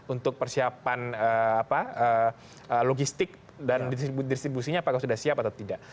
untuk persiapan logistik dan distribusinya apakah sudah siap atau tidak